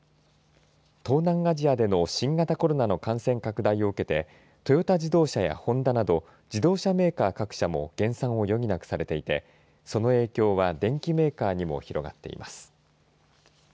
東南アジアでの新型コロナの感染拡大を受けてトヨタ自動車やホンダなど自動車メーカー各社も減産を余儀なくされていてその影響は電機メーカーにも広がっています。